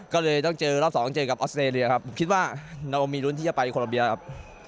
ก็เลยต้องเจอรอบสองเจอกับออสเตรเลียครับคิดว่าเรามีรุ้นที่จะไปโคลัมเบียครับ